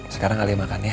sekarang alia makan ya